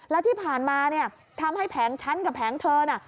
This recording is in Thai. แล้วที่ผ่านมาเนี่ยทำให้แผงฉันกับแผงเธอน่ะ